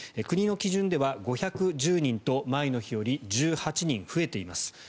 国の基準では５１０人と前の日より１８人増えています。